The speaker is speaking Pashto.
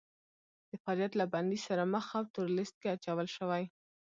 د فعالیت له بندیز سره مخ او تور لیست کې اچول شوي